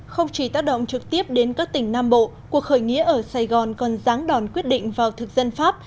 không chỉ tác động trực tiếp đến các tỉnh nam bộ cuộc khởi nghĩa ở sài gòn còn ráng đòn quyết định vào thực dân pháp